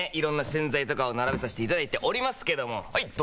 色んな洗剤とかを並べさせていただいておりますけどもはい！